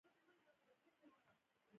اوږدمهاله فشار پر بدن تلپاتې اغېزه پرېباسي.